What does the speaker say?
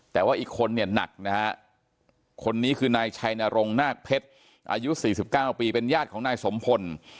แต่ว่าอีกคนเนี่ยหนักนะฮะคนนี้คือนายชัยนรงนาคเพชรอายุ๔๙ปีเป็นญาติของนายสมพล